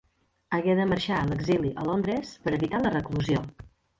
Hagué de marxar a l'exili a Londres per evitar la reclusió.